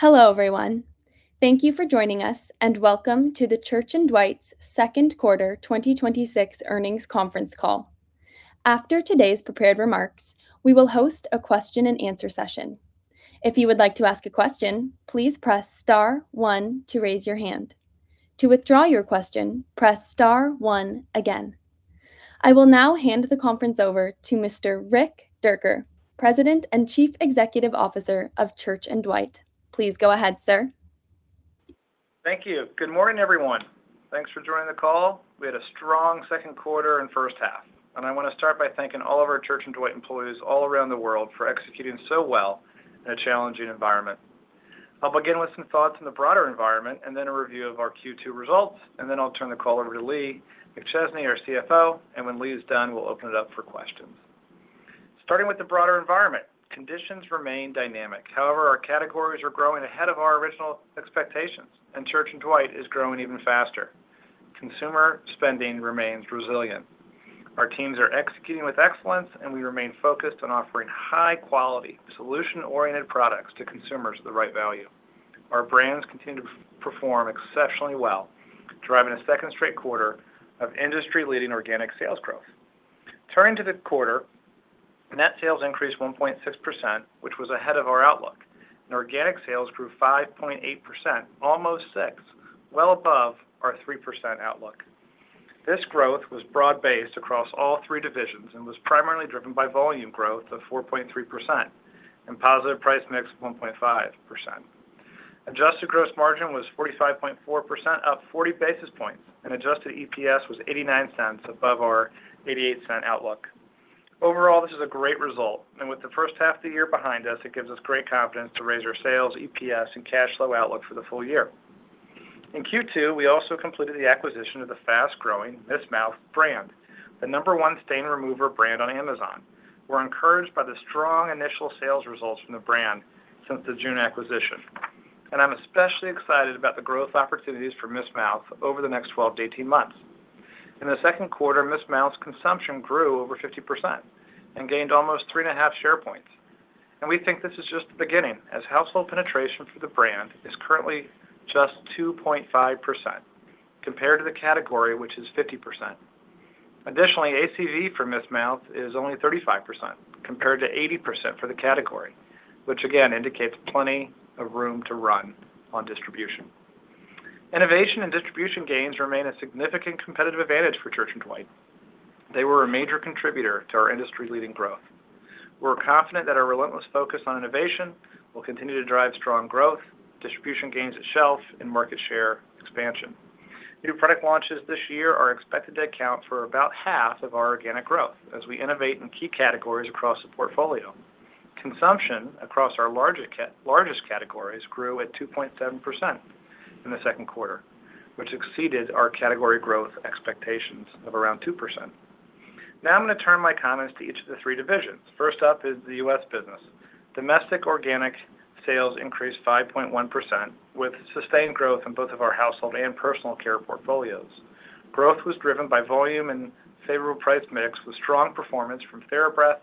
Hello, everyone. Thank you for joining us, and welcome to the Church & Dwight Second Quarter 2026 Earnings Conference Call. After today's prepared remarks, we will host a question and answer session. If you would like to ask a question, please press star one to raise your hand. To withdraw your question, press star one again. I will now hand the conference over to Mr. Rick Dierker, President and Chief Executive Officer of Church & Dwight. Please go ahead, sir. Thank you. Good morning, everyone. Thanks for joining the call. We had a strong second quarter and first half. I want to start by thanking all of our Church & Dwight employees all around the world for executing so well in a challenging environment. I'll begin with some thoughts on the broader environment, a review of our Q2 results. I'll turn the call over to Lee McChesney, our CFO, and when Lee is done, we'll open it up for questions. Starting with the broader environment, conditions remain dynamic. However, our categories are growing ahead of our original expectations. Church & Dwight is growing even faster. Consumer spending remains resilient. Our teams are executing with excellence. We remain focused on offering high-quality, solution-oriented products to consumers at the right value. Our brands continue to perform exceptionally well, driving a second straight quarter of industry-leading organic sales growth. Turning to the quarter, net sales increased 1.6%, which was ahead of our outlook. Organic sales grew 5.8%, almost 6%, well above our 3% outlook. This growth was broad-based across all three divisions, primarily driven by volume growth of 4.3% and positive price mix of 1.5%. Adjusted gross margin was 45.4%, up 40 basis points. Adjusted EPS was $0.89 above our $0.88 outlook. Overall, this is a great result. With the first half of the year behind us, it gives us great confidence to raise our sales, EPS, and cash flow outlook for the full year. In Q2, we also completed the acquisition of the fast-growing Miss Mouth brand, the number one stain remover brand on Amazon. We're encouraged by the strong initial sales results from the brand since the June acquisition. I'm especially excited about the growth opportunities for Miss Mouth over the next 12-18 months. In the second quarter, Miss Mouth's consumption grew over 50% and gained almost 3.5 share points. We think this is just the beginning, as household penetration for the brand is currently just 2.5%, compared to the category, which is 50%. Additionally, ACV for Miss Mouth is only 35%, compared to 80% for the category, which again indicates plenty of room to run on distribution. Innovation and distribution gains remain a significant competitive advantage for Church & Dwight. They were a major contributor to our industry-leading growth. We're confident that our relentless focus on innovation will continue to drive strong growth, distribution gains at shelf, and market share expansion. New product launches this year are expected to account for about half of our organic growth as we innovate in key categories across the portfolio. Consumption across our largest categories grew at 2.7% in the second quarter, which exceeded our category growth expectations of around 2%. I'm going to turn my comments to each of the three divisions. First up is the U.S. business. Domestic organic sales increased 5.1%, with sustained growth in both of our household and personal care portfolios. Growth was driven by volume and favorable price mix with strong performance from TheraBreath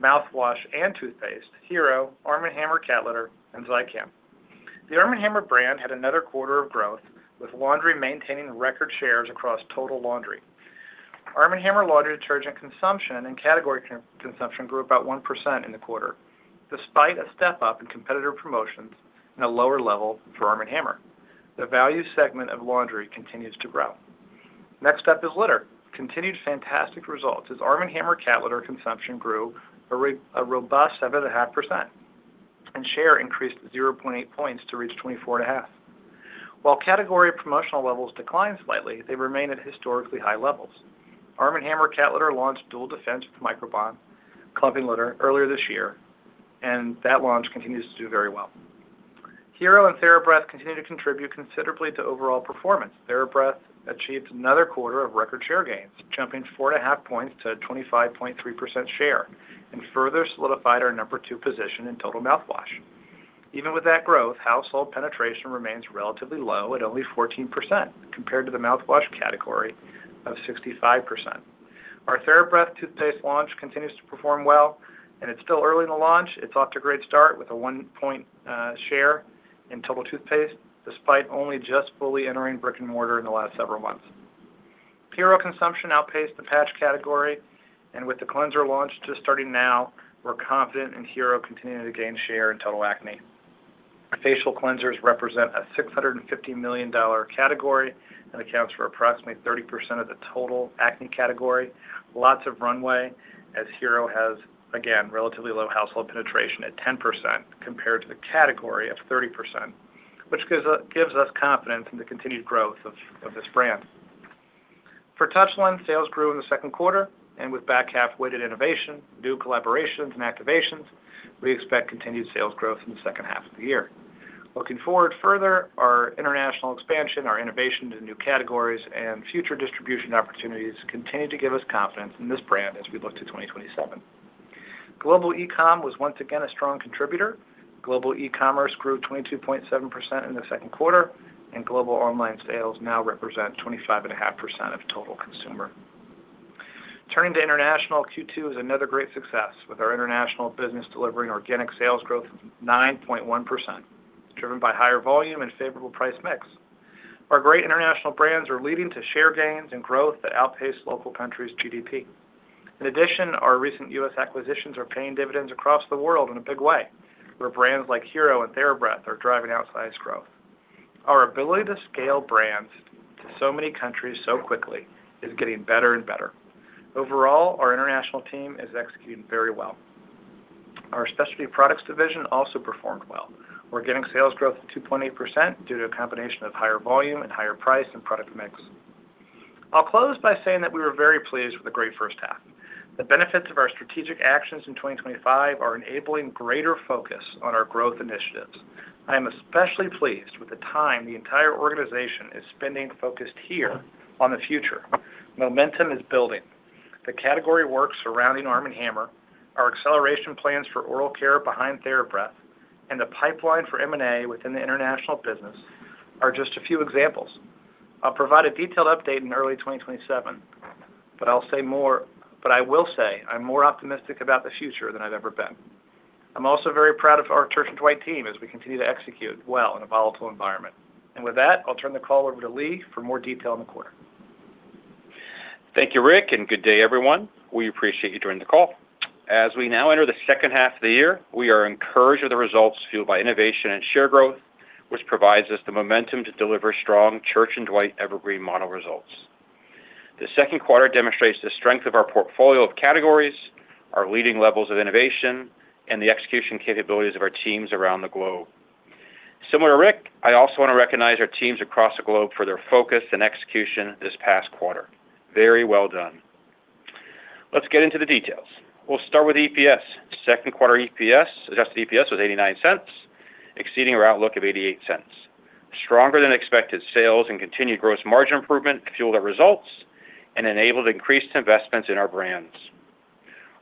mouthwash and toothpaste, Hero, ARM & HAMMER cat litter, and ZICAM. The ARM & HAMMER brand had another quarter of growth, with laundry maintaining record shares across total laundry. ARM & HAMMER laundry detergent consumption and category consumption grew about 1% in the quarter, despite a step-up in competitive promotions and a lower level for ARM & HAMMER. The value segment of laundry continues to grow. Next up is litter. Continued fantastic results as ARM & HAMMER cat litter consumption grew a robust 7.5%, and share increased 0.8 points to reach 24.5%. Category promotional levels declined slightly, they remain at historically high levels. ARM & HAMMER cat litter launched Dual Defense with Microban clumping litter earlier this year, and that launch continues to do very well. Hero and TheraBreath continue to contribute considerably to overall performance. TheraBreath achieved another quarter of record share gains, jumping 4.5 points to a 25.3% share and further solidified our number two position in total mouthwash. Even with that growth, household penetration remains relatively low at only 14%, compared to the mouthwash category of 65%. Our TheraBreath toothpaste launch continues to perform well. It's still early in the launch. It's off to a great start with a 1-point share in total toothpaste, despite only just fully entering brick and mortar in the last several months. Hero consumption outpaced the patch category. With the cleanser launch just starting now, we're confident in Hero continuing to gain share in total acne. Facial cleansers represent a $650 million category and accounts for approximately 30% of the total acne category. Lots of runway as Hero has, again, relatively low household penetration at 10%, compared to the category of 30%, which gives us confidence in the continued growth of this brand. For Touchland, sales grew in the second quarter. With back half-weighted innovation, new collaborations, and activations, we expect continued sales growth in the second half of the year. Looking forward further, our international expansion, our innovation into new categories, and future distribution opportunities continue to give us confidence in this brand as we look to 2027. Global e-com was once again a strong contributor. Global e-commerce grew 22.7% in the second quarter. Global online sales now represent 25.5% of total consumer. Turning to international, Q2 is another great success with our international business delivering organic sales growth of 9.1%, driven by higher volume and favorable price mix. Our great international brands are leading to share gains and growth that outpace local countries' GDP. In addition, our recent U.S. acquisitions are paying dividends across the world in a big way, where brands like Hero and TheraBreath are driving outsized growth. Our ability to scale brands to so many countries so quickly is getting better and better. Overall, our international team is executing very well. Our specialty products division also performed well. We're getting sales growth of 2.8% due to a combination of higher volume and higher price and product mix. I'll close by saying that we were very pleased with the great first half. The benefits of our strategic actions in 2025 are enabling greater focus on our growth initiatives. I am especially pleased with the time the entire organization is spending focused here on the future. Momentum is building. The category work surrounding ARM & HAMMER, our acceleration plans for oral care behind TheraBreath, and the pipeline for M&A within the international business are just a few examples. I'll provide a detailed update in early 2027, but I will say I'm more optimistic about the future than I've ever been. I'm also very proud of our Church & Dwight team as we continue to execute well in a volatile environment. With that, I'll turn the call over to Lee for more detail on the quarter. Thank you, Rick, and good day, everyone. We appreciate you joining the call. As we now enter the second half of the year, we are encouraged by the results fueled by innovation and share growth, which provides us the momentum to deliver strong Church & Dwight Evergreen model results. The Second quarter demonstrates the strength of our portfolio of categories, our leading levels of innovation, and the execution capabilities of our teams around the globe. Similar to Rick, I also want to recognize our teams across the globe for their focus and execution this past quarter. Very well done. Let's get into the details. We'll start with EPS. Second quarter adjusted EPS was $0.89, exceeding our outlook of $0.88. Stronger than expected sales and continued gross margin improvement fueled our results and enabled increased investments in our brands.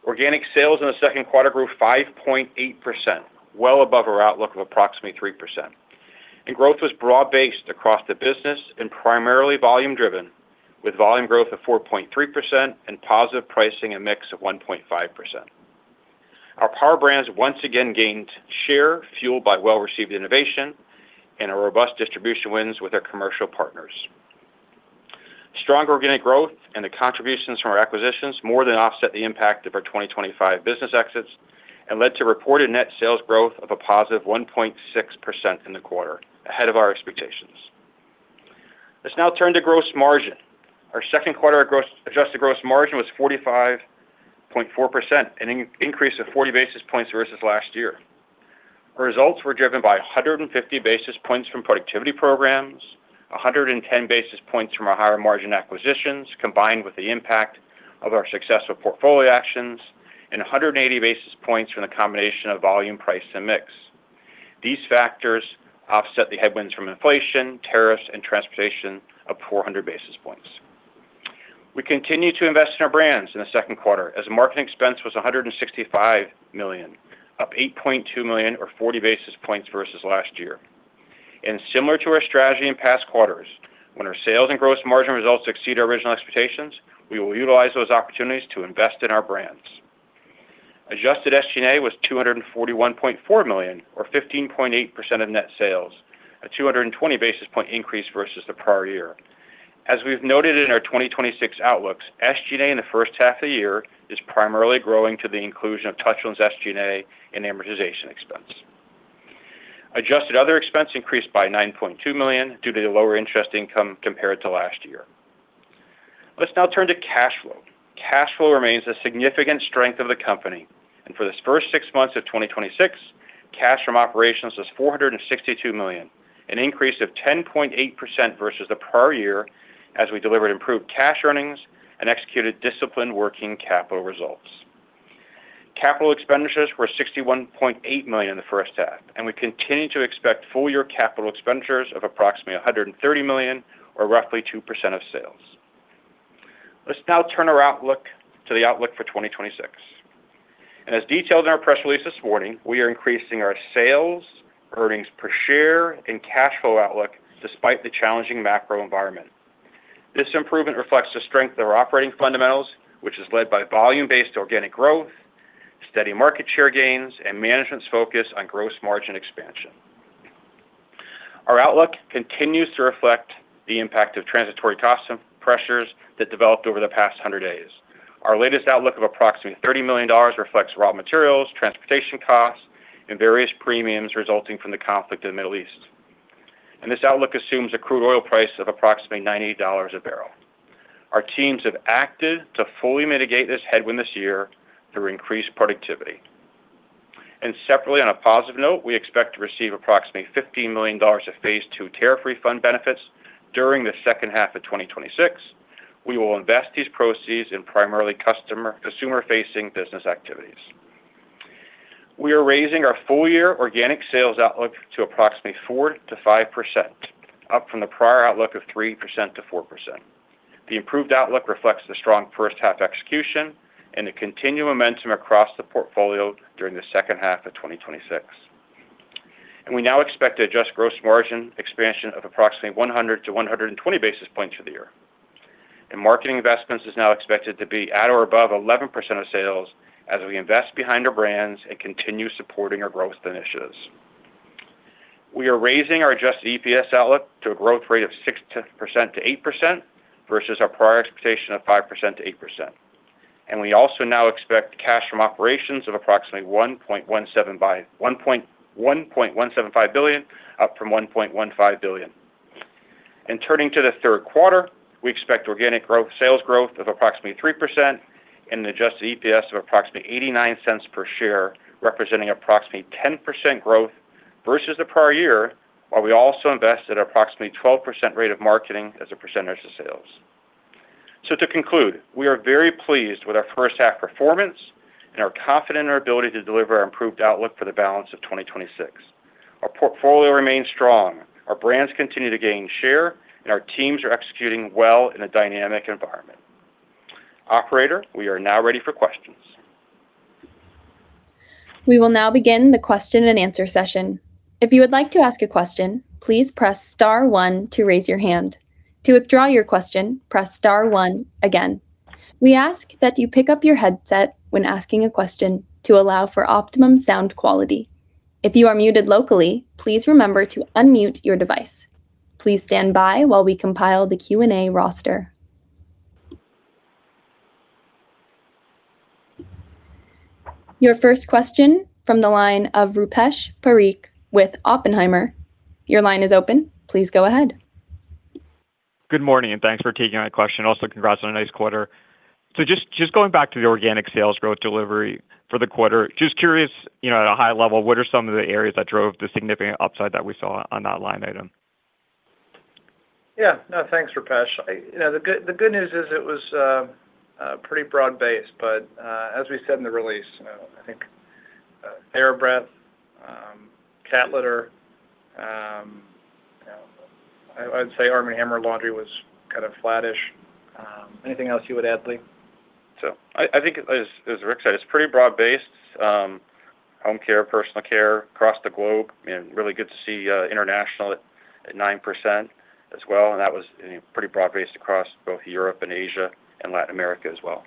Organic sales in the Second quarter grew 5.8%, well above our outlook of approximately 3%. Growth was broad-based across the business and primarily volume driven, with volume growth of 4.3% and positive pricing and mix of 1.5%. Our power brands once again gained share, fueled by well-received innovation and our robust distribution wins with our commercial partners. Strong organic growth and the contributions from our acquisitions more than offset the impact of our 2025 business exits and led to reported net sales growth of a positive 1.6% in the quarter, ahead of our expectations. Let's now turn to gross margin. Our Second quarter adjusted gross margin was 45.4%, an increase of 40 basis points versus last year. Our results were driven by 150 basis points from productivity programs, 110 basis points from our higher-margin acquisitions, combined with the impact of our successful portfolio actions, and 180 basis points from the combination of volume, price, and mix. These factors offset the headwinds from inflation, tariffs, and transportation of 400 basis points. We continued to invest in our brands in the second quarter, as marketing expense was $165 million, up $8.2 million or 40 basis points versus last year. Similar to our strategy in past quarters, when our sales and gross margin results exceed our original expectations, we will utilize those opportunities to invest in our brands. Adjusted SG&A was $241.4 million or 15.8% of net sales, a 220 basis point increase versus the prior year. As we've noted in our 2026 outlooks, SG&A in the first half of the year is primarily growing to the inclusion of Touchland's SG&A and amortization expense. Adjusted other expense increased by $9.2 million due to the lower interest income compared to last year. Let's now turn to cash flow. Cash flow remains a significant strength of the company, for this first six months of 2026, cash from operations was $462 million, an increase of 10.8% versus the prior year, as we delivered improved cash earnings and executed disciplined working capital results. Capital expenditures were $61.8 million in the first half, and we continue to expect full-year capital expenditures of approximately $130 million or roughly 2% of sales. Let's now turn to the outlook for 2026. As detailed in our press release this morning, we are increasing our sales, earnings per share, and cash flow outlook despite the challenging macro environment. This improvement reflects the strength of our operating fundamentals, which is led by volume-based organic growth, steady market share gains, and management's focus on gross margin expansion. Our outlook continues to reflect the impact of transitory cost pressures that developed over the past 100 days. Our latest outlook of approximately $30 million reflects raw materials, transportation costs, and various premiums resulting from the conflict in the Middle East. This outlook assumes a crude oil price of approximately $90 a barrel. Our teams have acted to fully mitigate this headwind this year through increased productivity. Separately, on a positive note, we expect to receive approximately $15 million of phase II tariff refund benefits during the second half of 2026. We will invest these proceeds in primarily consumer-facing business activities. We are raising our full-year organic sales outlook to approximately 4%-5%, up from the prior outlook of 3%-4%. The improved outlook reflects the strong first half execution and the continued momentum across the portfolio during the second half of 2026. We now expect to adjust gross margin expansion of approximately 100-120 basis points for the year. Marketing investments is now expected to be at or above 11% of sales as we invest behind our brands and continue supporting our growth initiatives. We are raising our adjusted EPS outlook to a growth rate of 6%-8%, versus our prior expectation of 5%-8%. We also now expect cash from operations of approximately $1.175 billion, up from $1.15 billion. In turning to the third quarter, we expect organic sales growth of approximately 3% and an adjusted EPS of approximately $0.89 per share, representing approximately 10% growth versus the prior year, while we also invested approximately 12% rate of marketing as a percentage of sales. To conclude, we are very pleased with our first half performance, and are confident in our ability to deliver our improved outlook for the balance of 2026. Our portfolio remains strong, our brands continue to gain share, and our teams are executing well in a dynamic environment. Operator, we are now ready for questions. We will now begin the question and answer session. If you would like to ask a question, please press star one to raise your hand. To withdraw your question, press star one again. We ask that you pick up your headset when asking a question to allow for optimum sound quality. If you are muted locally, please remember to unmute your device. Please stand by while we compile the Q&A roster. Your first question from the line of Rupesh Parikh with Oppenheimer. Your line is open. Please go ahead. Good morning, thanks for taking my question. Congrats on a nice quarter. Just going back to the organic sales growth delivery for the quarter, just curious, at a high level, what are some of the areas that drove the significant upside that we saw on that line item? Thanks, Rupesh. The good news is it was pretty broad-based, but, as we said in the release, I think TheraBreath, cat litter, I'd say ARM & HAMMER laundry was kind of flattish. Anything else you would add, Lee? I think, as Rick said, it's pretty broad-based. Home care, personal care across the globe, and really good to see international at 9% as well, and that was pretty broad-based across both Europe and Asia and Latin America as well.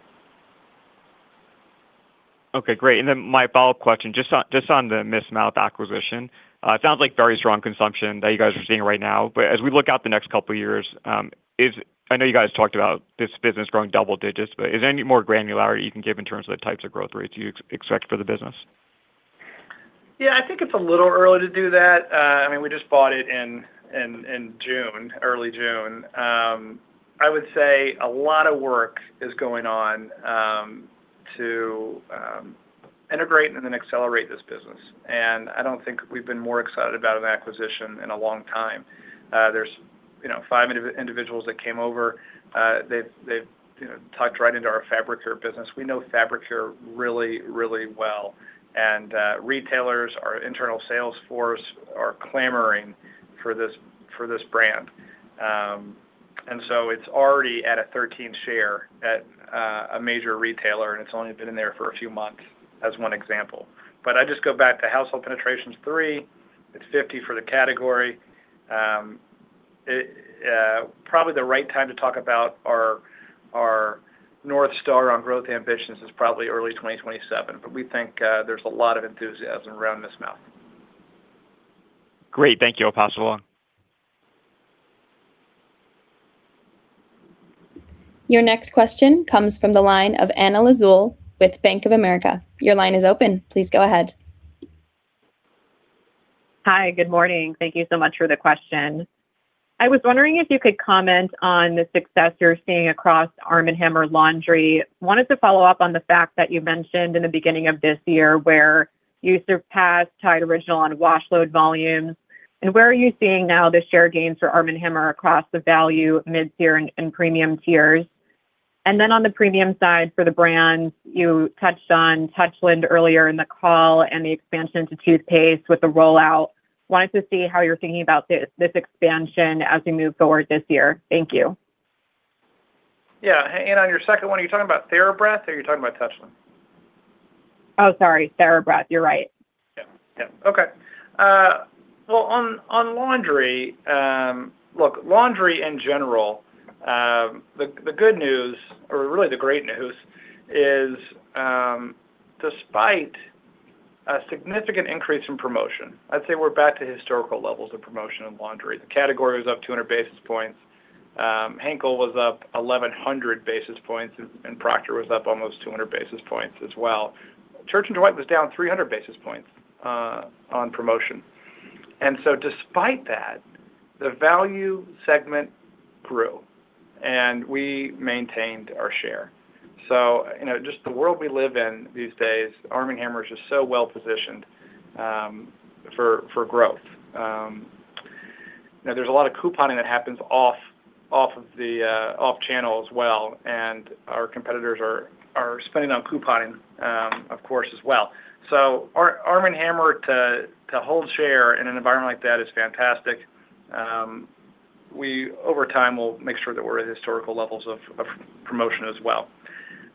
Okay, great. My follow-up question, just on the Miss Mouth acquisition. It sounds like very strong consumption that you guys are seeing right now, as we look out the next couple of years, I know you guys talked about this business growing double digits, is there any more granularity you can give in terms of the types of growth rates you expect for the business? I think it's a little early to do that. We just bought it in early June. A lot of work is going on to integrate and accelerate this business. I don't think we've been more excited about an acquisition in a long time. There's five individuals that came over. They've tucked right into our Fabric Care business. We know Fabric Care really well. Retailers, our internal sales force, are clamoring for this brand. It's already at a 13 share at a major retailer, and it's only been in there for a few months, as one example. I just go back to household penetration's three. It's 50 for the category. Probably the right time to talk about our North Star on growth ambitions is probably early 2027. We think there's a lot of enthusiasm around Miss Mouth. Great. Thank you. I'll pass along. Your next question comes from the line of Anna Lizzul with Bank of America. Your line is open. Please go ahead. Hi, good morning. Thank you so much for the question. I was wondering if you could comment on the success you're seeing across ARM & HAMMER laundry. Wanted to follow up on the fact that you mentioned in the beginning of this year where you surpassed Tide Original on wash load volumes. Where are you seeing now the share gains for ARM & HAMMER across the value, mid-tier, and premium tiers? Then on the premium side for the brand, you touched on Touchland earlier in the call and the expansion to toothpaste with the rollout. Wanted to see how you're thinking about this expansion as we move forward this year. Thank you. Yeah. Anna, on your second one, are you talking about TheraBreath or are you talking about Touchland? Oh, sorry, TheraBreath. You're right. Yeah. Okay. Well, on laundry, look, laundry in general, the good news or really the great news is, despite a significant increase in promotion, I'd say we're back to historical levels of promotion in laundry. The category was up 200 basis points. Henkel was up 1,100 basis points, and Procter was up almost 200 basis points as well. Church & Dwight was down 300 basis points on promotion. Despite that, the value segment grew, and we maintained our share. Just the world we live in these days, ARM & HAMMER is just so well-positioned for growth. There's a lot of couponing that happens off channel as well, and our competitors are spending on couponing, of course, as well. ARM & HAMMER to hold share in an environment like that is fantastic. We, over time, will make sure that we're at historical levels of promotion as well.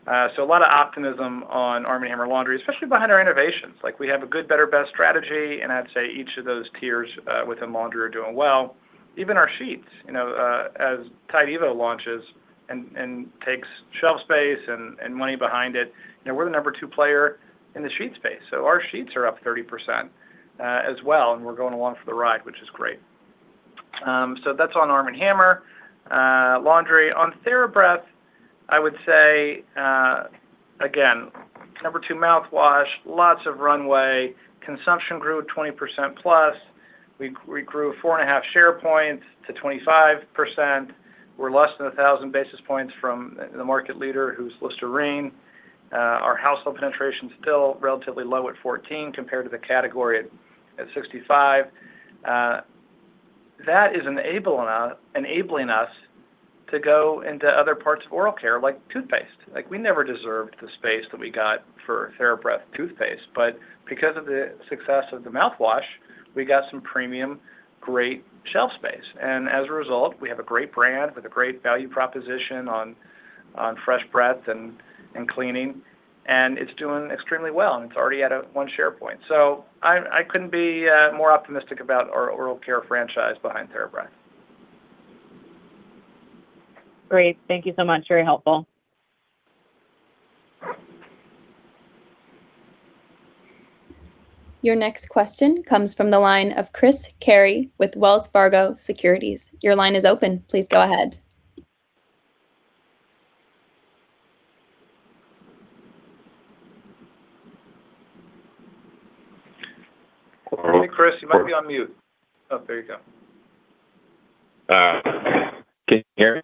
A lot of optimism on ARM & HAMMER laundry, especially behind our innovations. We have a good, better, best strategy, and I'd say each of those tiers within laundry are doing well. Even our sheets, as Tide evo launches and takes shelf space and money behind it, we're the number two player in the sheet space. Our sheets are up 30% as well, and we're going along for the ride, which is great. That's on ARM & HAMMER laundry. On TheraBreath, I would say, again, number two mouthwash, lots of runway. Consumption grew at 20%+. We grew 4.5 share points to 25%. We're less than 1,000 basis points from the market leader, who's Listerine. Our household penetration's still relatively low at 14% compared to the category at 65%. That is enabling us to go into other parts of oral care, like toothpaste. We never deserved the space that we got for TheraBreath toothpaste, because of the success of the mouthwash, we got some premium, great shelf space. As a result, we have a great brand with a great value proposition on fresh breath and cleaning. It's doing extremely well, and it's already at 1 share point. I couldn't be more optimistic about our oral care franchise behind TheraBreath. Great. Thank you so much. Very helpful. Your next question comes from the line of Chris Carey with Wells Fargo Securities. Your line is open. Please go ahead. Hey, Chris, you might be on mute. Oh, there you go. Can you hear me?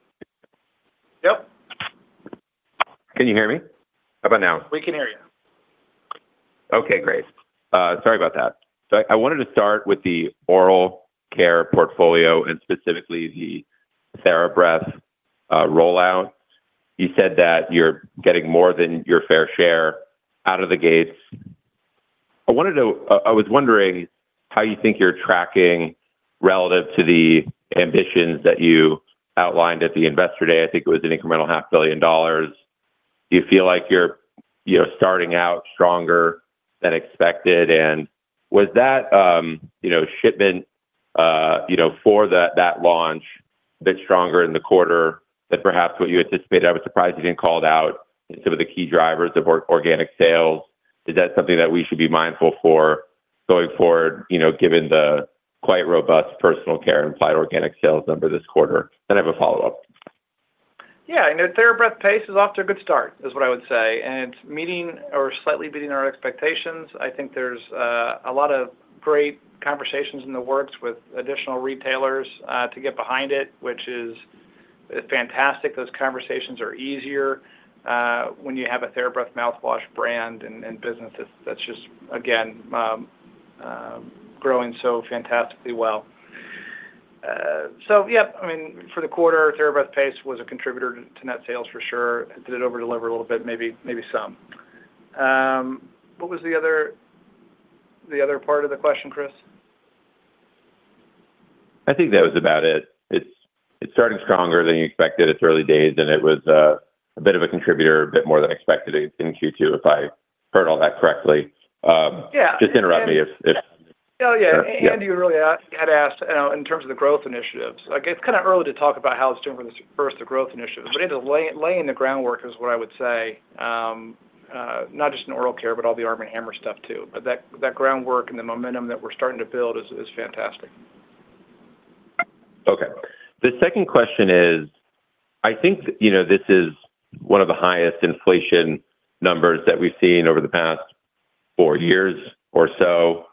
Yep. Can you hear me? How about now? We can hear you. Okay, great. Sorry about that. I wanted to start with the oral care portfolio and specifically the TheraBreath rollout. You said that you're getting more than your fair share out of the gates. I was wondering how you think you're tracking relative to the ambitions that you outlined at the Investor Day. I think it was an incremental $0.5 billion. Do you feel like you're starting out stronger than expected, and was that shipment for that launch a bit stronger in the quarter than perhaps what you anticipated? I was surprised you didn't call it out in some of the key drivers of organic sales. Is that something that we should be mindful for going forward, given the quite robust personal care implied organic sales number this quarter? I have a follow-up. Yeah. TheraBreath paste is off to a good start, is what I would say, and meeting or slightly beating our expectations. I think there's a lot of great conversations in the works with additional retailers to get behind it, which is fantastic. Those conversations are easier when you have a TheraBreath mouthwash brand and business that's just, again, growing so fantastically well. Yeah, for the quarter, TheraBreath paste was a contributor to net sales for sure. Did it over-deliver a little bit? Maybe some. What was the other part of the question, Chris? I think that was about it. It's starting stronger than you expected. It's early days, and it was a bit of a contributor, a bit more than expected in Q2, if I heard all that correctly. Yeah. Just interrupt me if. You earlier had asked in terms of the growth initiatives. It's kind of early to talk about how it's doing for the first of growth initiatives, but laying the groundwork is what I would say, not just in oral care, but all the ARM & HAMMER stuff, too. That groundwork and the momentum that we're starting to build is fantastic. Okay. The second question is, I think this is one of the highest inflation numbers that we've seen over the past four years or so.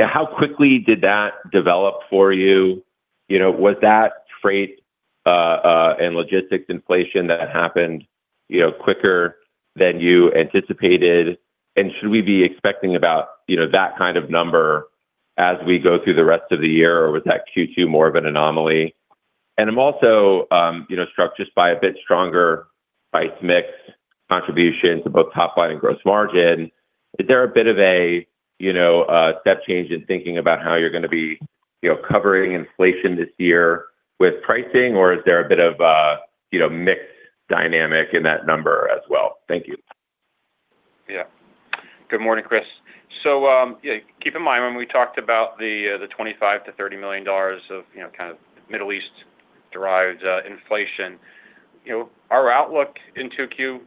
How quickly did that develop for you? Was that freight and logistics inflation that happened quicker than you anticipated? Should we be expecting about that kind of number as we go through the rest of the year, or was that Q2 more of an anomaly? I'm also struck just by a bit stronger price mix contribution to both top line and gross margin. Is there a bit of a step change in thinking about how you're going to be covering inflation this year with pricing, or is there a bit of a mixed dynamic in that number as well? Thank you. Yeah. Good morning, Chris. Keep in mind, when we talked about the $25 million-$30 million of Middle East-derived inflation, our outlook in Q2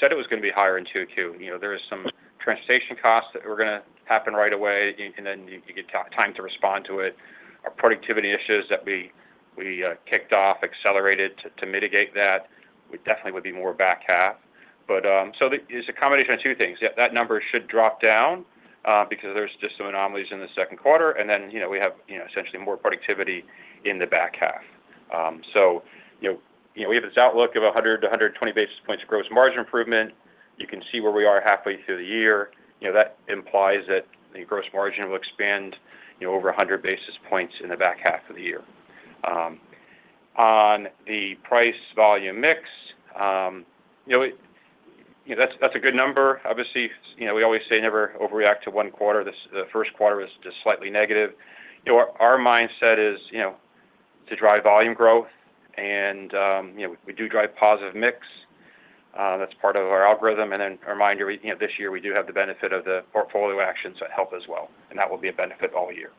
said it was going to be higher in Q2. There is some transportation costs that were going to happen right away, then you get time to respond to it. Our productivity issues that we kicked off accelerated to mitigate that. We definitely would be more back half. It's a combination of two things. Yeah, that number should drop down because there's just some anomalies in the second quarter, then we have essentially more productivity in the back half. We have this outlook of 100-120 basis points of gross margin improvement. You can see where we are halfway through the year. That implies that the gross margin will expand over 100 basis points in the back half of the year. On the price volume mix. That's a good number. Obviously, we always say never overreact to one quarter. The first quarter is just slightly negative. Our mindset is to drive volume growth and we do drive positive mix. That's part of our algorithm. A reminder, this year, we do have the benefit of the portfolio actions that help as well, and that will be a benefit all year.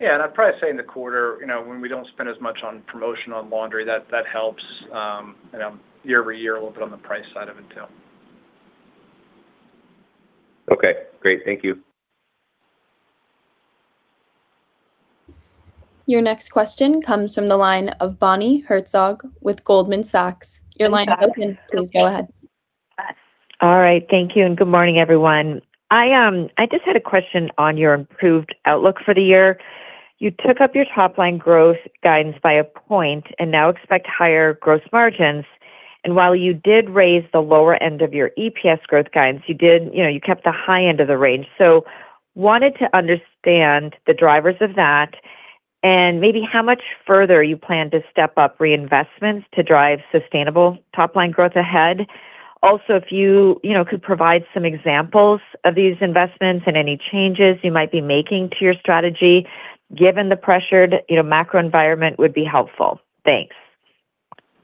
Yeah, I'd probably say in the quarter, when we don't spend as much on promotion on laundry, that helps year-over-year a little bit on the price side of it too. Okay, great. Thank you. Your next question comes from the line of Bonnie Herzog with Goldman Sachs. Your line is open. Please go ahead. All right. Thank you, and good morning, everyone. I just had a question on your improved outlook for the year. You took up your top-line growth guidance by a point and now expect higher gross margins, and while you did raise the lower end of your EPS growth guidance, you kept the high end of the range. Wanted to understand the drivers of that and maybe how much further you plan to step up reinvestments to drive sustainable top-line growth ahead. Also, if you could provide some examples of these investments and any changes you might be making to your strategy, given the pressured macro environment would be helpful. Thanks.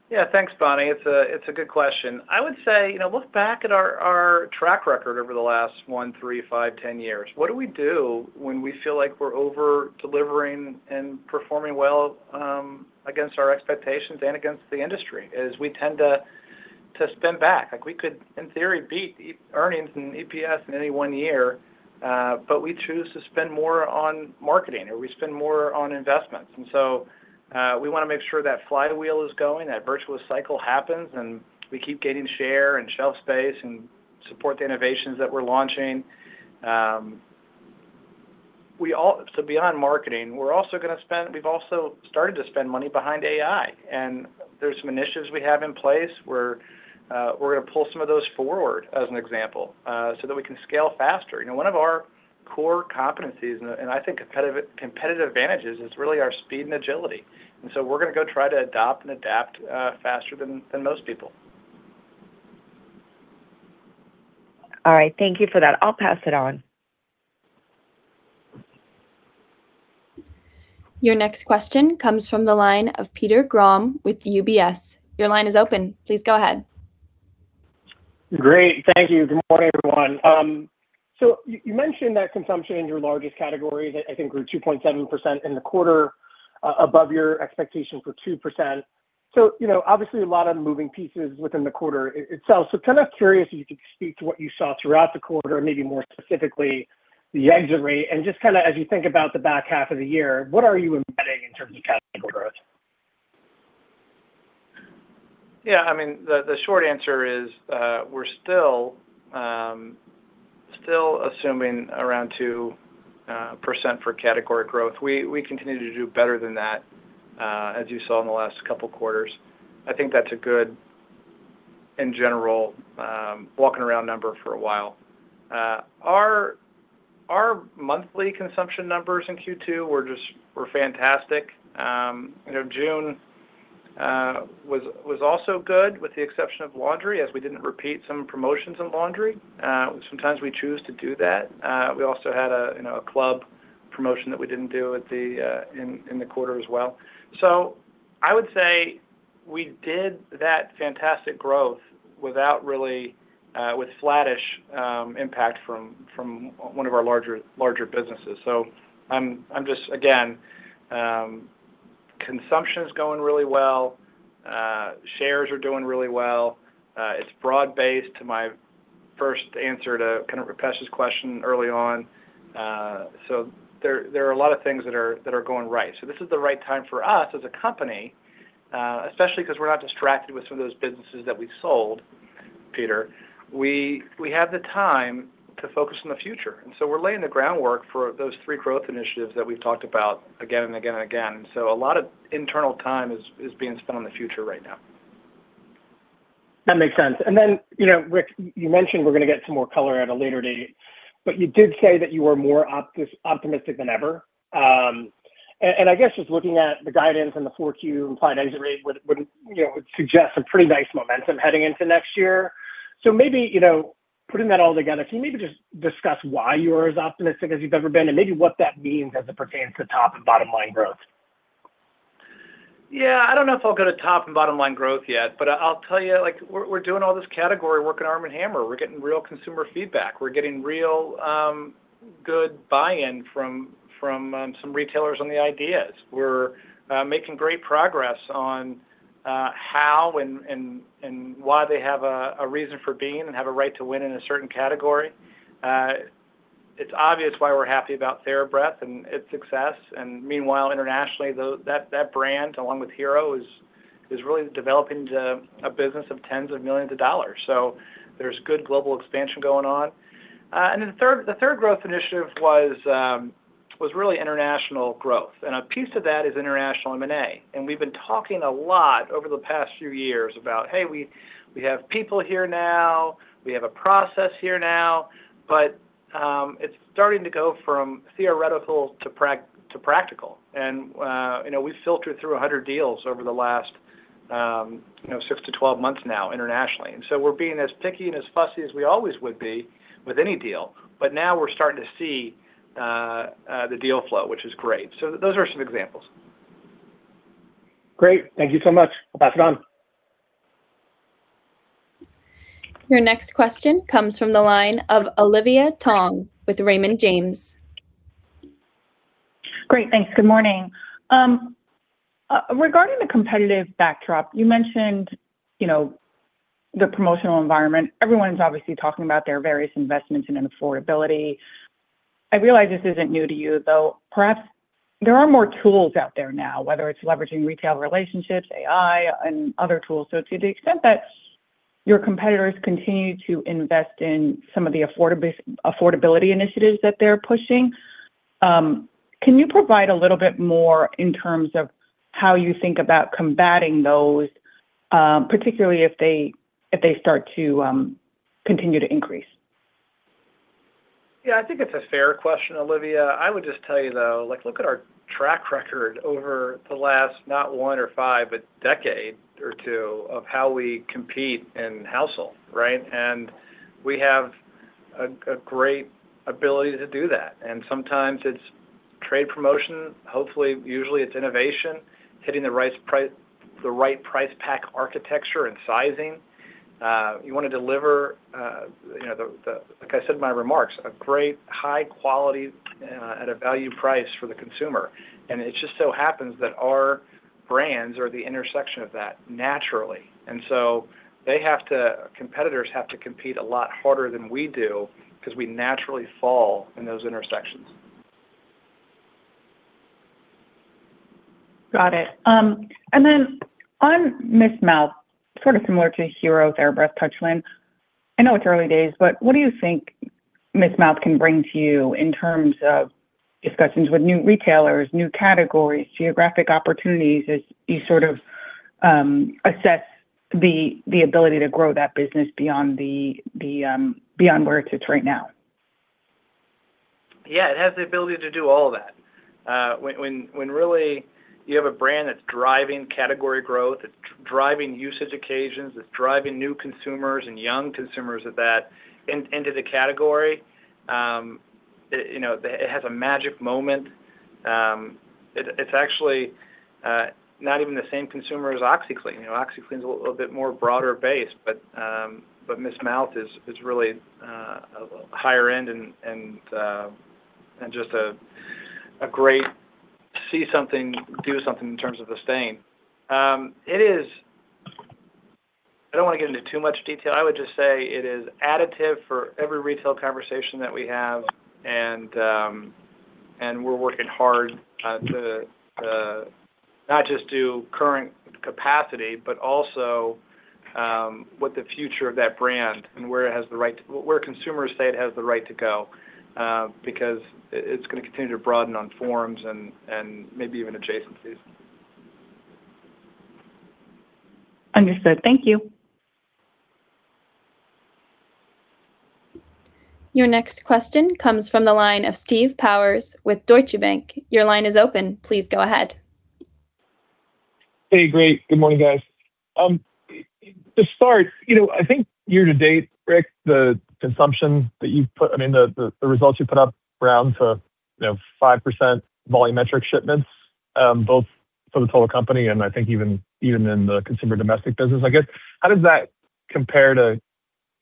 Yeah, thanks, Bonnie. It's a good question. I would say, look back at our track record over the last one, three, five, 10 years. What do we do when we feel like we're over-delivering and performing well against our expectations and against the industry is we tend to spend back. We could, in theory, beat earnings and EPS in any one year, we choose to spend more on marketing, or we spend more on investments. We want to make sure that flywheel is going, that virtuous cycle happens, and we keep gaining share and shelf space and support the innovations that we're launching. Beyond marketing, we've also started to spend money behind AI, and there's some initiatives we have in place where we're going to pull some of those forward as an example, so that we can scale faster. One of our core competencies, and I think competitive advantages, is really our speed and agility. We're going to go try to adopt and adapt faster than most people. All right. Thank you for that. I'll pass it on. Your next question comes from the line of Peter Grom with UBS. Your line is open. Please go ahead. Great. Thank you. Good morning, everyone. You mentioned that consumption in your largest category, I think, grew 2.7% in the quarter, above your expectation for 2%. Obviously a lot of moving pieces within the quarter itself. Kind of curious if you could speak to what you saw throughout the quarter, and maybe more specifically, the exit rate, and just as you think about the back half of the year, what are you embedding in terms of category growth? Yeah, the short answer is, we're still assuming around 2% for category growth. We continue to do better than that, as you saw in the last couple of quarters. I think that's a good, in general, walking around number for a while. Our monthly consumption numbers in Q2 were fantastic. June was also good, with the exception of laundry, as we didn't repeat some promotions in laundry. Sometimes we choose to do that. We also had a club promotion that we didn't do in the quarter as well. I would say we did that fantastic growth with flattish impact from one of our larger businesses. Again, consumption's going really well. Shares are doing really well. It's broad-based to my first answer to kind of Rupesh's question early on. There are a lot of things that are going right. This is the right time for us as a company, especially because we're not distracted with some of those businesses that we've sold, Peter. We have the time to focus on the future, we're laying the groundwork for those three growth initiatives that we've talked about again and again and again. A lot of internal time is being spent on the future right now. Rick, you mentioned we're going to get some more color at a later date, but you did say that you were more optimistic than ever. I guess just looking at the guidance and the 4Q implied exit rate would suggest some pretty nice momentum heading into next year. Maybe, putting that all together, can you maybe just discuss why you are as optimistic as you've ever been and maybe what that means as it pertains to top and bottom line growth? Yeah, I don't know if I'll go to top and bottom line growth yet, but I'll tell you, we're doing all this category work in ARM & HAMMER. We're getting real consumer feedback. We're getting real good buy-in from some retailers on the ideas. We're making great progress on how and why they have a reason for being and have a right to win in a certain category. It's obvious why we're happy about TheraBreath and its success, and meanwhile, internationally, that brand, along with Hero, is really developing into a business of tens of millions of dollars. There's good global expansion going on. Then the third growth initiative was really international growth. A piece of that is international M&A. We've been talking a lot over the past few years about, "Hey, we have people here now. We have a process here now. It's starting to go from theoretical to practical. We've filtered through 100 deals over the last, 6-12 months now internationally. We're being as picky and as fussy as we always would be with any deal. Now we're starting to see the deal flow, which is great. Those are some examples. Great. Thank you so much. I'll pass it on. Your next question comes from the line of Olivia Tong with Raymond James. Great. Thanks. Good morning. Regarding the competitive backdrop, you mentioned the promotional environment. Everyone's obviously talking about their various investments in affordability. I realize this isn't new to you, though perhaps there are more tools out there now, whether it's leveraging retail relationships, AI, and other tools. To the extent that your competitors continue to invest in some of the affordability initiatives that they're pushing, can you provide a little bit more in terms of how you think about combating those, particularly if they start to continue to increase? Yeah, I think it's a fair question, Olivia. I would just tell you, though, look at our track record over the last, not one or five, but decade or two of how we compete in household, right? We have a great ability to do that, and sometimes it's trade promotion. Hopefully, usually it's innovation, hitting the right price pack architecture and sizing. You want to deliver, like I said in my remarks, a great high quality at a value price for the consumer. It just so happens that our brands are the intersection of that naturally. Competitors have to compete a lot harder than we do because we naturally fall in those intersections. Got it. On Miss Mouth, sort of similar to Hero, TheraBreath, Touchland, I know it's early days, but what do you think Miss Mouth can bring to you in terms of discussions with new retailers, new categories, geographic opportunities as you sort of assess the ability to grow that business beyond where it sits right now? Yeah, it has the ability to do all of that. When really you have a brand that's driving category growth, it's driving usage occasions, it's driving new consumers and young consumers at that into the category. It has a magic moment, it's actually not even the same consumer as OxiClean. OxiClean's a little bit more broader based, but Miss Mouth is really a higher end and just a great see something, do something in terms of the stain. I don't want to get into too much detail. I would just say it is additive for every retail conversation that we have, and we're working hard to not just do current capacity, but also what the future of that brand and where consumers say it has the right to go, because it's going to continue to broaden on forums and maybe even adjacencies. Understood. Thank you. Your next question comes from the line of Steve Powers with Deutsche Bank. Your line is open. Please go ahead. Hey, great. Good morning, guys. To start, I think year-to-date, Rick, the results you put up around 5% volume metric shipments, both for the total company and I think even in the consumer domestic business, I guess, how does that compare to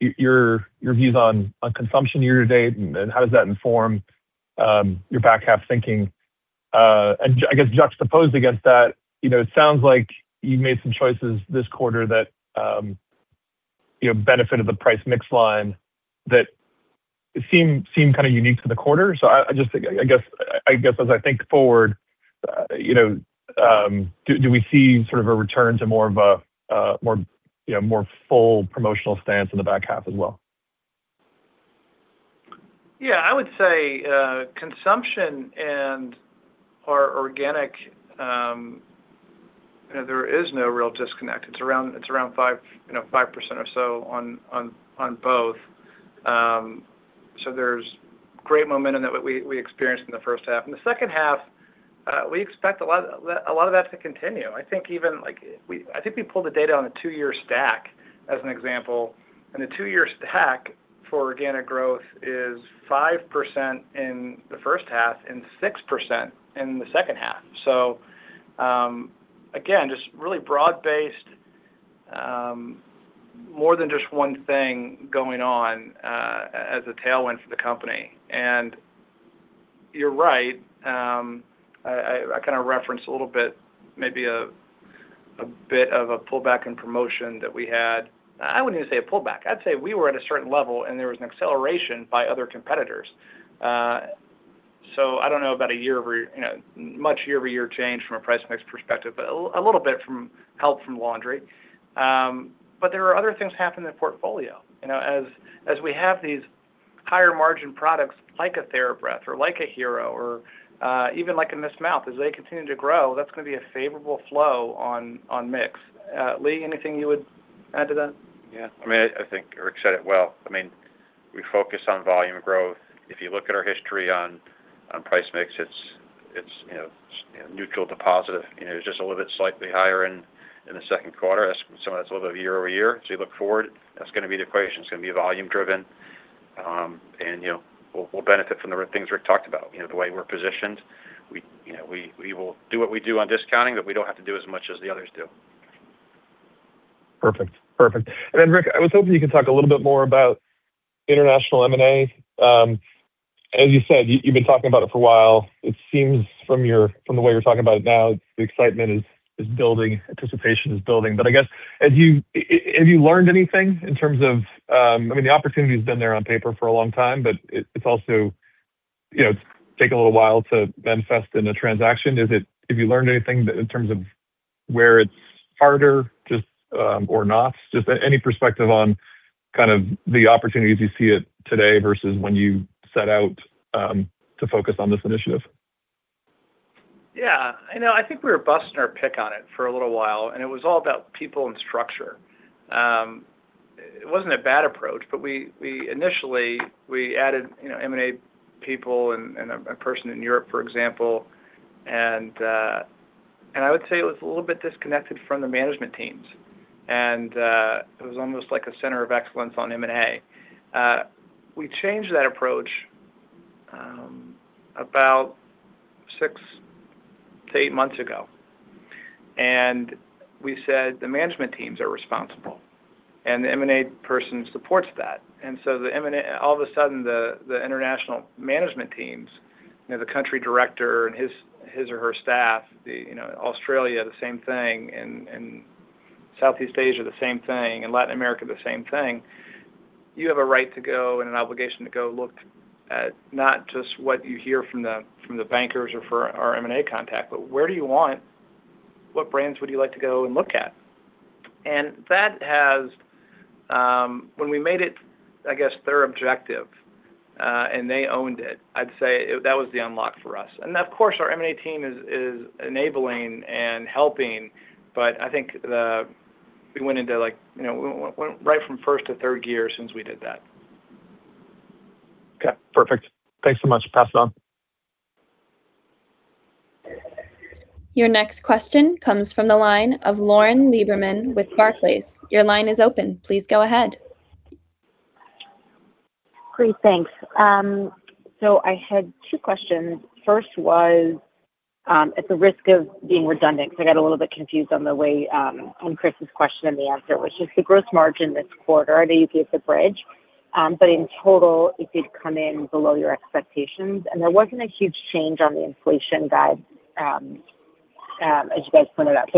your views on consumption year-to-date, and how does that inform your back-half thinking? And I guess juxtaposed against that, it sounds like you've made some choices this quarter that benefit of the price-mix line that seem kind of unique to the quarter. So I guess as I think forward, do we see sort of a return to more of a more full promotional stance in the back-half as well? I would say consumption and our organic, there is no real disconnect. It's around 5% or so on both. There's great momentum that we experienced in the first half. In the second half, we expect a lot of that to continue. I think we pulled the data on a two-year stack as an example, and the two-year stack for organic growth is 5% in the first half and 6% in the second half. Again, just really broad-based, more than just one thing going on as a tailwind for the company. You're right, I kind of referenced a little bit, maybe a bit of a pullback in promotion that we had. I wouldn't even say a pullback. I'd say we were at a certain level and there was an acceleration by other competitors. I don't know about much year-over-year change from a price mix perspective, but a little bit from help from laundry. There are other things happening in the portfolio. As we have these higher margin products like a TheraBreath or like a Hero, or even like a Miss Mouth, as they continue to grow, that's going to be a favorable flow on mix. Lee, anything you would add to that? I think Rick said it well. We focus on volume growth. If you look at our history on price mix, it's neutral to positive. It was just a little bit slightly higher in the second quarter. Some of that's a little bit year-over-year. As we look forward, that's going to be the equation. It's going to be volume driven, and we'll benefit from the things Rick talked about. The way we're positioned. We will do what we do on discounting, but we don't have to do as much as the others do. Perfect. Rick, I was hoping you could talk a little bit more about international M&A. As you said, you've been talking about it for a while. It seems from the way you're talking about it now, the excitement is building, anticipation is building. I guess, have you learned anything in terms of the opportunity's been there on paper for a long time, but it's also taken a little while to manifest in a transaction. Have you learned anything in terms of where it's harder or not? Just any perspective on the opportunities you see it today versus when you set out to focus on this initiative? Yeah. I think we were busting our pick on it for a little while, it was all about people and structure. It wasn't a bad approach, but initially, we added M&A people and a person in Europe, for example, I would say it was a little bit disconnected from the management teams. It was almost like a center of excellence on M&A. We changed that approach about six-eight months ago, we said the management teams are responsible, the M&A person supports that. All of a sudden, the international management teams, the country director and his or her staff, Australia, the same thing, Southeast Asia, the same thing, Latin America, the same thing. You have a right to go and an obligation to go look at not just what you hear from the bankers or for our M&A contact, but where do you want, what brands would you like to go and look at? When we made it their objective, they owned it, I'd say that was the unlock for us. Of course our M&A team is enabling and helping, but I think we went right from first to third gear since we did that. Okay, perfect. Thanks so much. Pass it on. Your next question comes from the line of Lauren Lieberman with Barclays. Your line is open. Please go ahead. Great, thanks. I had two questions. First was, at the risk of being redundant, because I got a little bit confused on Chris's question and the answer, which is the gross margin this quarter. I know you gave the bridge, but in total, it did come in below your expectations, and there wasn't a huge change on the inflation guide, as you guys pointed out.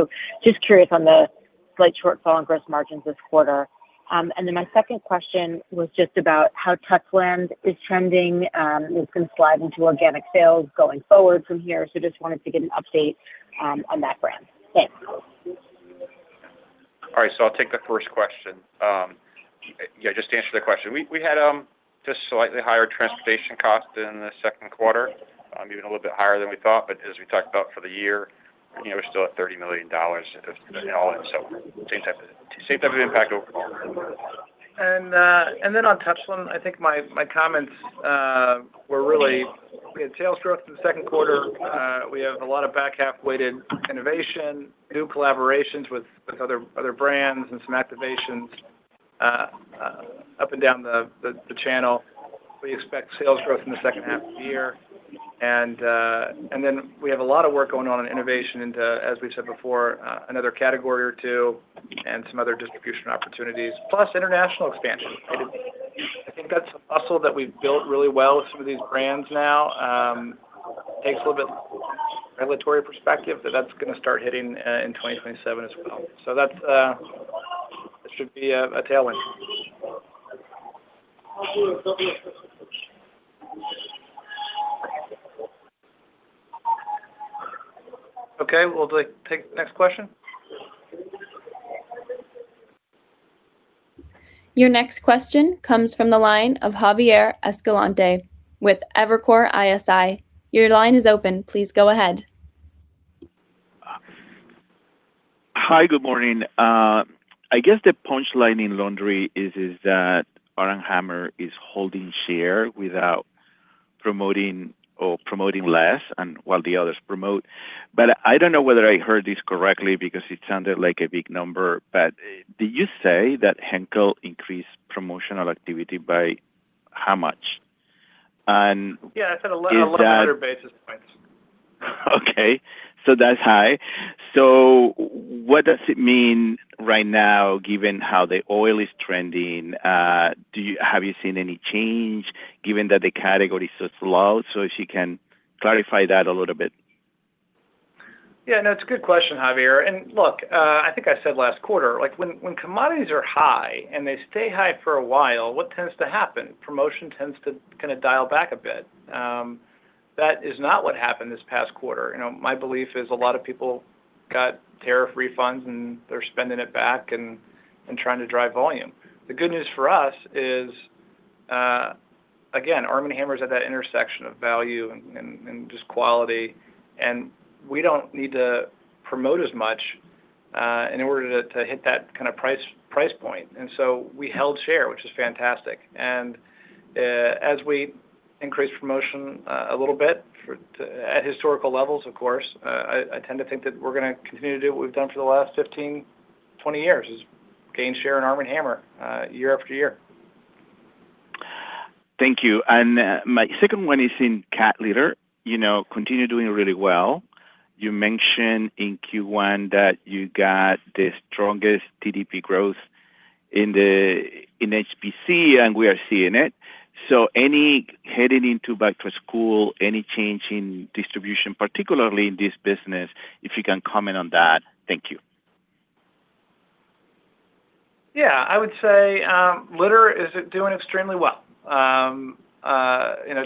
Just curious on the slight shortfall on gross margins this quarter. My second question was just about how Touchland is trending. It's going to slide into organic sales going forward from here, so just wanted to get an update on that brand. Thanks. All right. I'll take the first question. Yeah, just to answer the question, we had just slightly higher transportation costs in the second quarter, even a little bit higher than we thought. But as we talked about for the year, we're still at $30 million in all. Same type of impact overall. On Touchland, I think my comments were really, we had sales growth in the second quarter. We have a lot of back half-weighted innovation, new collaborations with other brands and some activations up and down the channel. We expect sales growth in the second half of the year. We have a lot of work going on in innovation into, as we've said before, another category or two and some other distribution opportunities, plus international expansion. I think that's a muscle that we've built really well with some of these brands now. Takes a little bit regulatory perspective, but that's going to start hitting in 2027 as well. That should be a tailwind. Okay. We'll take the next question. Your next question comes from the line of Javier Escalante with Evercore ISI. Your line is open. Please go ahead. Hi. Good morning. I guess the punchline in laundry is that ARM & HAMMER is holding share without promoting or promoting less and while the others promote. I don't know whether I heard this correctly because it sounded like a big number. Did you say that Henkel increased promotional activity by how much? Yeah, I said a lot of hundreds basis points. Okay, that's high. What does it mean right now, given how the oil is trending? Have you seen any change given that the category is so slow? If you can clarify that a little bit. Yeah. No, it's a good question, Javier. Look, I think I said last quarter, when commodities are high and they stay high for a while, what tends to happen? Promotion tends to kind of dial back a bit. That is not what happened this past quarter. My belief is a lot of people got tariff refunds, and they're spending it back and trying to drive volume. The good news for us is again, ARM & HAMMER is at that intersection of value and just quality, and we don't need to promote as much in order to hit that kind of price point. So we held share, which is fantastic. As we increase promotion a little bit, at historical levels, of course, I tend to think that we're going to continue to do what we've done for the last 15, 20 years, is gain share in ARM & HAMMER year after year. Thank you. My second one is in cat litter. Continue doing really well. You mentioned in Q1 that you got the strongest TDP growth in HPC. We are seeing it. Heading into back to school, any change in distribution, particularly in this business, if you can comment on that. Thank you. Yeah, I would say litter is doing extremely well. To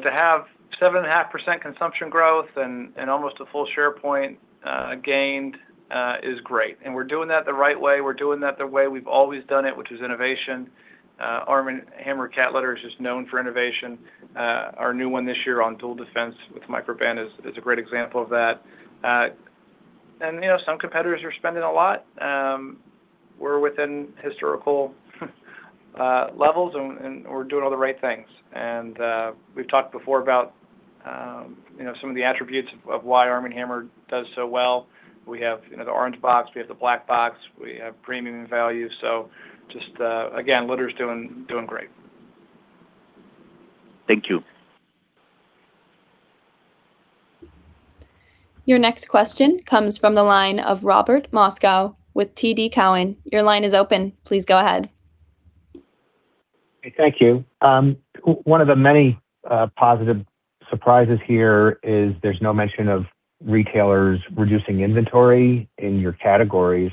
have 7.5% consumption growth and almost a full share point gained is great. We're doing that the right way. We're doing that the way we've always done it, which is innovation. ARM & HAMMER cat litter is just known for innovation. Our new one this year on Dual Defense with Microban is a great example of that. Some competitors are spending a lot. We're within historical levels. We're doing all the right things. We've talked before about some of the attributes of why ARM & HAMMER does so well. We have the orange box, we have the black box, we have premium value. Just, again, litter's doing great. Thank you. Your next question comes from the line of Robert Moskow with TD Cowen. Your line is open. Please go ahead. Thank you. One of the many positive surprises here is there's no mention of retailers reducing inventory in your categories.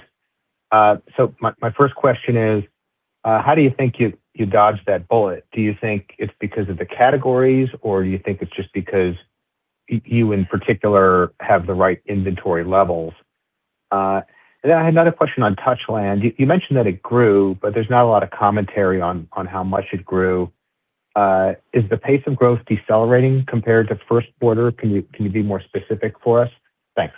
My first question is, how do you think you dodged that bullet? Do you think it's because of the categories, or do you think it's just because you, in particular, have the right inventory levels? I had another question on Touchland. You mentioned that it grew, but there's not a lot of commentary on how much it grew. Is the pace of growth decelerating compared to first quarter? Can you be more specific for us? Thanks.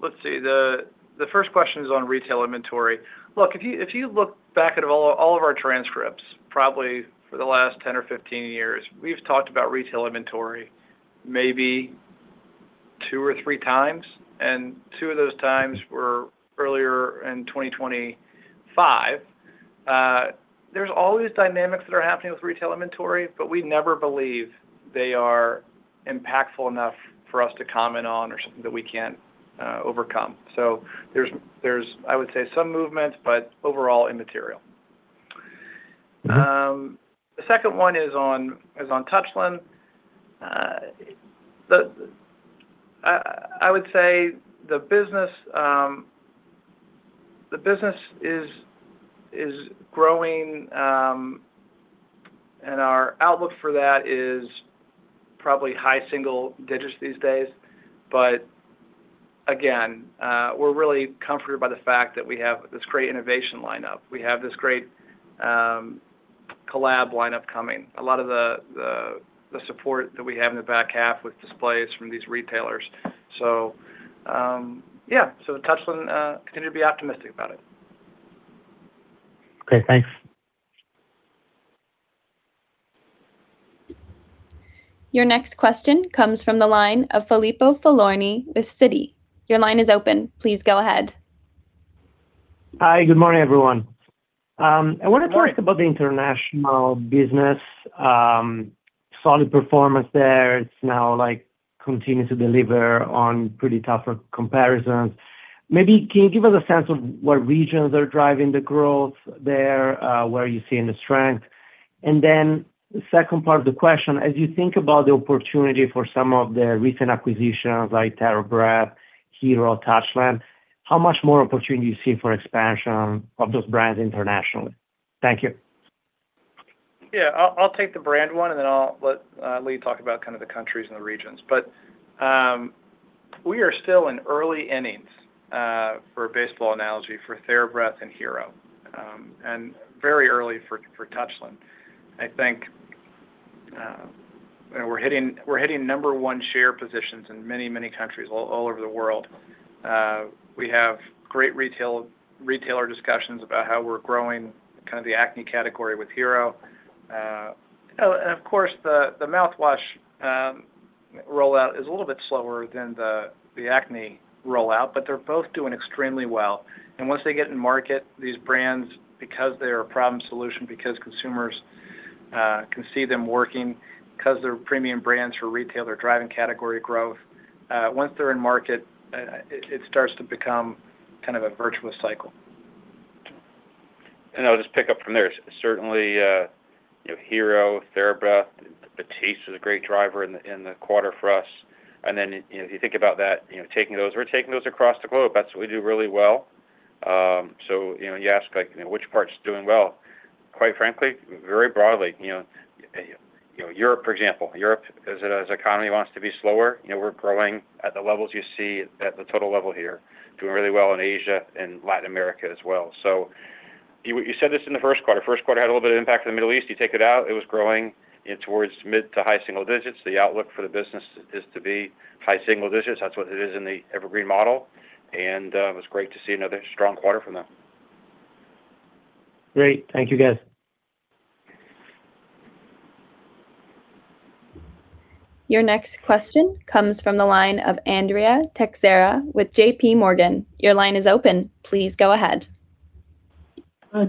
Let's see. The first question is on retail inventory. Look, if you look back at all of our transcripts, probably for the last 10 or 15 years, we've talked about retail inventory maybe 2x or 3x, and two of those times were earlier in 2025. There's always dynamics that are happening with retail inventory, we never believe they are impactful enough for us to comment on or something that we can't overcome. There's, I would say, some movement, but overall immaterial. The second one is on Touchland. Our outlook for that is probably high single digits these days. Again, we're really comforted by the fact that we have this great innovation lineup. We have this great collab lineup coming. A lot of the support that we have in the back half with displays from these retailers. Touchland, continue to be optimistic about it. Okay, thanks. Your next question comes from the line of Filippo Falorni with Citi. Your line is open. Please go ahead. Hi. Good morning, everyone. Good morning. I wanted to ask, the international business. Solid performance there. It's now continuing to deliver on pretty tougher comparisons. Maybe can you give us a sense of what regions are driving the growth there, where are you seeing the strength? Then the second part of the question, as you think about the opportunity for some of the recent acquisitions like TheraBreath, Hero, Touchland, how much more opportunity you see for expansion of those brands internationally? Thank you. Yeah. I'll take the brand one, then I'll let Lee talk about kind of the countries and the regions. We are still in early innings for a baseball analogy for TheraBreath and Hero, and very early for Touchland. I think we're hitting number one share positions in many, many countries all over the world. We have great retailer discussions about how we're growing kind of the acne category with Hero. Of course, the mouthwash rollout is a little bit slower than the acne rollout, but they're both doing extremely well. Once they get in market, these brands, because they are a problem solution, because consumers can see them working, because they're premium brands for retail, they're driving category growth. Once they're in market, it starts to become kind of a virtuous cycle. I'll just pick up from there. Certainly, Hero, TheraBreath, Batiste was a great driver in the quarter for us. Then, if you think about that, we're taking those across the globe. That's what we do really well. You ask which part's doing well Quite frankly, very broadly. Europe, for example. Europe, as economy wants to be slower, we're growing at the levels you see at the total level here. Doing really well in Asia and Latin America as well. You said this in the first quarter. First quarter had a little bit of impact in the Middle East. You take it out, it was growing towards mid to high single digits. The outlook for the business is to be high single digits. That's what it is in the Evergreen model. It was great to see another strong quarter from them. Great. Thank you, guys. Your next question comes from the line of Andrea Teixeira with J.P. Morgan. Your line is open. Please go ahead.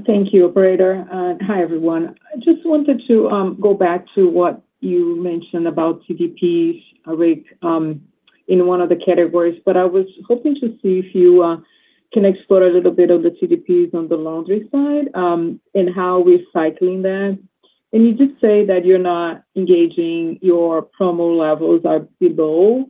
Thank you, operator. Hi, everyone. I just wanted to go back to what you mentioned about TDPs' rate in one of the categories. I was hoping to see if you can explore a little bit of the TDPs on the laundry side, and how we're cycling that. You just say that you're not engaging your promo levels are below.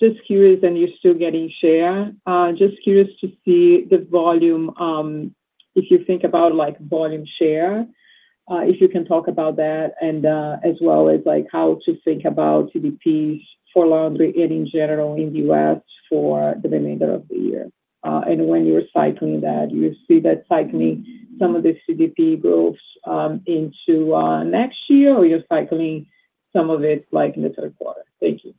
Just curious, and you're still getting share. Just curious to see the volume, if you think about volume share, if you can talk about that, and as well as how to think about TDPs for laundry and in general in U.S. for the remainder of the year. When you're cycling that, do you see that cycling some of the TDP growth into next year, or you're cycling some of it like in the third quarter? Thank you.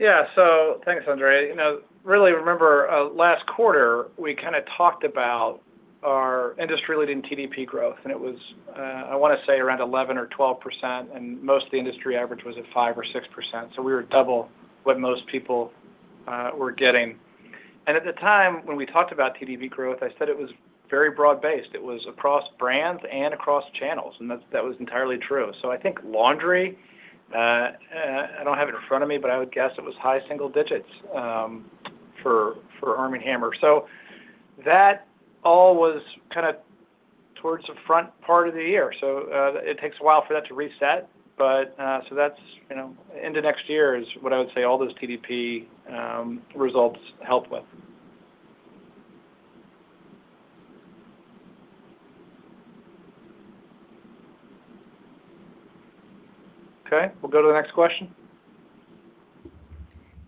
Thanks, Andrea. Really, remember, last quarter, we kind of talked about our industry-leading TDP growth, and it was, I want to say around 11% or 12%, and most of the industry average was at 5% or 6%. We were double what most people were getting. At the time when we talked about TDP growth, I said it was very broad-based. It was across brands and across channels, and that was entirely true. I think laundry, I don't have it in front of me, but I would guess it was high single digits for ARM & HAMMER. That all was kind of towards the front part of the year. It takes a while for that to reset. That's into next year is what I would say all those TDP results help with. We'll go to the next question.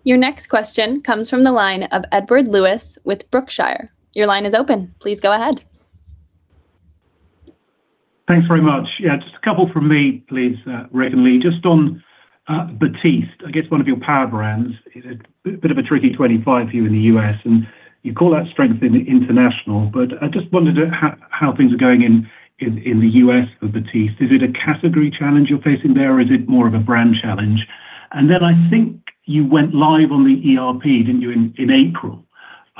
Your next question comes from the line of Edward Lewis with Brookshire. Your line is open. Please go ahead. Thanks very much. Just a couple from me, please, Rick and Lee. Just on Batiste, I guess one of your power brands is a bit of a tricky 25 for you in the U.S., you call that strength in the international, but I just wondered how things are going in the U.S. for Batiste. Is it a category challenge you're facing there, or is it more of a brand challenge? I think you went live on the ERP, didn't you, in April?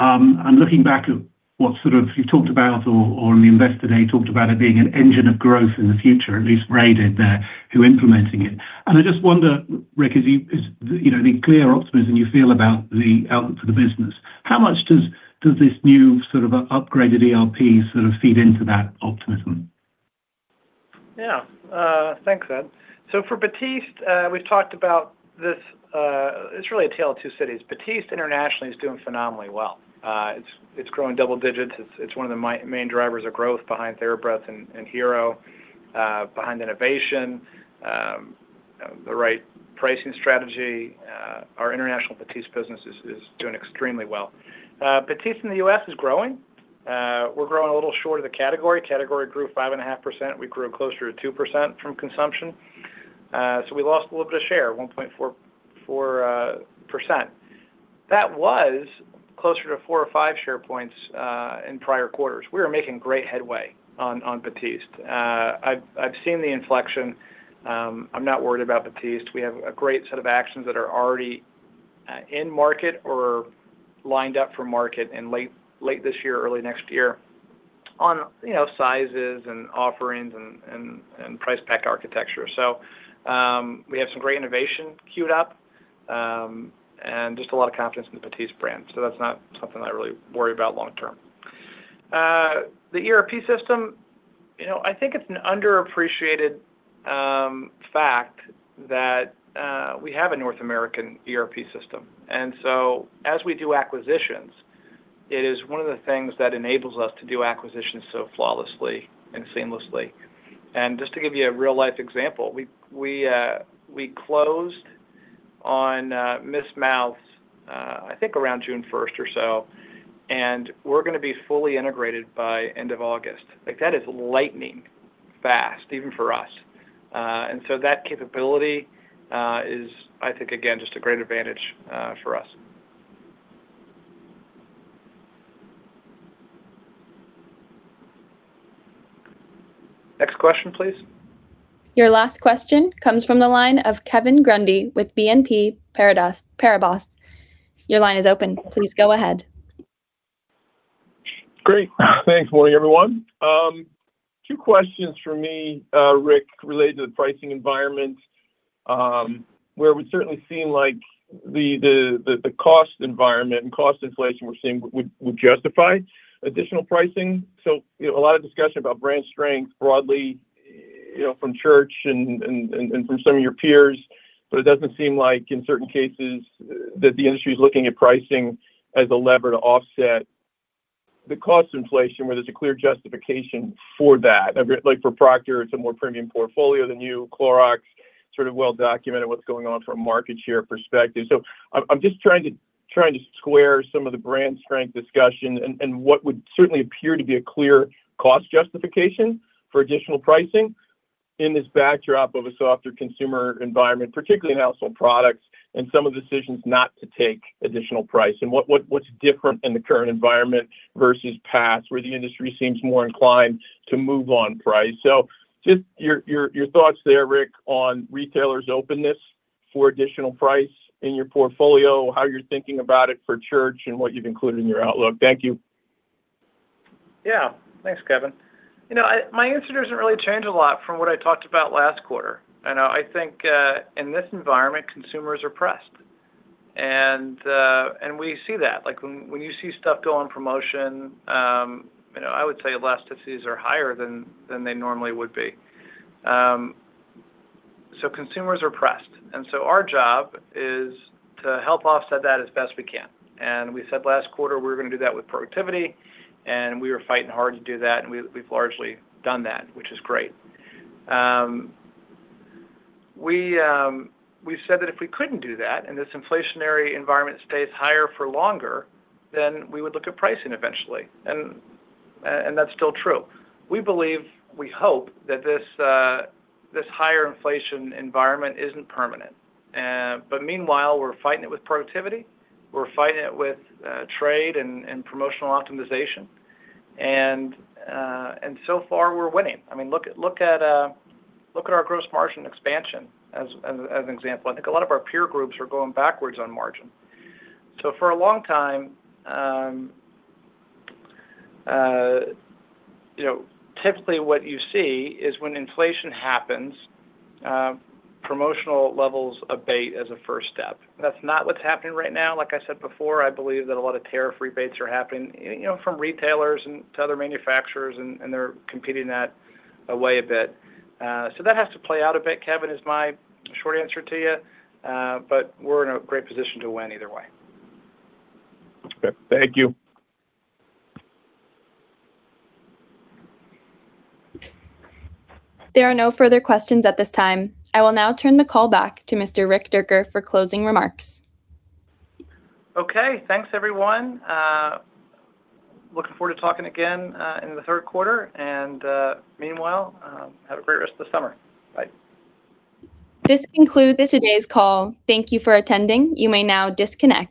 Looking back at what sort of you talked about or on the Investor Day, talked about it being an engine of growth in the future, at least Ray did there, who implementing it. I just wonder, Rick, the clear optimism you feel about the outlook for the business, how much does this new sort of upgraded ERP sort of feed into that optimism? Thanks, Ed. For Batiste, we've talked about this. It's really a tale of two cities. Batiste internationally is doing phenomenally well. It's growing double digits. It's one of the main drivers of growth behind TheraBreath and Hero, behind innovation, the right pricing strategy. Our international Batiste business is doing extremely well. Batiste in the U.S. is growing. We're growing a little short of the category. Category grew 5.5%. We grew closer to 2% from consumption. We lost a little bit of share, 1.44%. That was closer to 4 or 5 share points in prior quarters. We were making great headway on Batiste. I've seen the inflection. I'm not worried about Batiste. We have a great set of actions that are already in market or lined up for market in late this year or early next year on sizes and offerings and price-pack architecture. We have some great innovation queued up, and just a lot of confidence in the Batiste brand. That's not something I really worry about long term. The ERP system, I think it's an underappreciated fact that we have a North American ERP system, and as we do acquisitions, it is one of the things that enables us to do acquisitions so flawlessly and seamlessly. Just to give you a real-life example, we closed on Miss Mouth, I think around June 1st or so, and we're going to be fully integrated by end of August. Like that is lightning fast, even for us. That capability is, I think, again, just a great advantage for us. Next question, please. Your last question comes from the line of Kevin Grundy with BNP Paribas. Your line is open. Please go ahead. Great. Thanks. Morning, everyone. Two questions from me, Rick, related to the pricing environment, where it would certainly seem like the cost environment and cost inflation we're seeing would justify additional pricing. A lot of discussion about brand strength broadly From Church and from some of your peers, but it doesn't seem like in certain cases that the industry's looking at pricing as a lever to offset the cost inflation where there's a clear justification for that. Like for Procter, it's a more premium portfolio than you. Clorox, sort of well-documented what's going on from a market share perspective. I'm just trying to square some of the brand strength discussion and what would certainly appear to be a clear cost justification for additional pricing in this backdrop of a softer consumer environment, particularly in household products and some of the decisions not to take additional price. What's different in the current environment versus past where the industry seems more inclined to move on price? Just your thoughts there, Rick, on retailers' openness for additional price in your portfolio, how you're thinking about it for Church, and what you've included in your outlook. Thank you. Yeah. Thanks, Kevin. My answer doesn't really change a lot from what I talked about last quarter. I think, in this environment, consumers are pressed, and we see that. Like when you see stuff go on promotion, I would say elasticities are higher than they normally would be. Consumers are pressed, our job is to help offset that as best we can. We said last quarter we were going to do that with productivity, and we were fighting hard to do that, and we've largely done that, which is great. We said that if we couldn't do that and this inflationary environment stays higher for longer, we would look at pricing eventually, and that's still true. We believe, we hope, that this higher inflation environment isn't permanent. Meanwhile, we're fighting it with productivity, we're fighting it with trade and promotional optimization, and so far, we're winning. Look at our gross margin expansion as an example. I think a lot of our peer groups are going backwards on margin. For a long time, typically what you see is when inflation happens, promotional levels abate as a first step. That's not what's happening right now. Like I said before, I believe that a lot of tariff rebates are happening from retailers and to other manufacturers, and they're competing that away a bit. That has to play out a bit, Kevin, is my short answer to you, but we're in a great position to win either way. Okay. Thank you. There are no further questions at this time. I will now turn the call back to Mr. Rick Dierker for closing remarks. Okay. Thanks, everyone. Looking forward to talking again in the third quarter, and meanwhile, have a great rest of the summer. Bye. This concludes today's call. Thank you for attending. You may now disconnect.